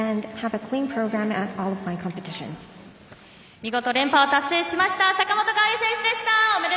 見事連覇を達成しました坂本花織選手でした。